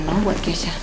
mau buat keysnya